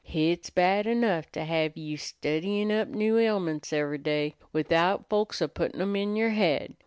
Hit's bad enough to have you steddyin' up new ailments ever' day, without folks a puttin' 'em in yer head.